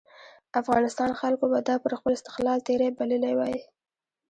افغانستان خلکو به دا پر خپل استقلال تېری بللی وای.